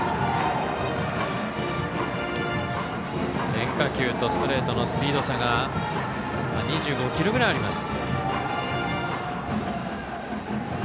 変化球とストレートのスピード差が２５キロくらいあります。